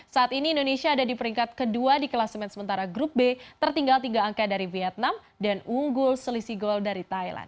saat ini indonesia ada di peringkat kedua di kelas men sementara grup b tertinggal tiga angka dari vietnam dan unggul selisih gol dari thailand